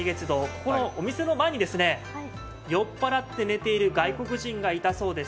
ここのお店の前に酔っ払って寝ている外国人がいたそうです。